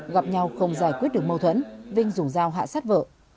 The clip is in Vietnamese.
gặp nhau không giải quyết được mâu thuẫn vinh dùng dao hạ sát vợ